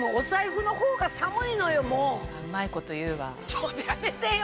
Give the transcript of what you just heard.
ちょっとやめてよ。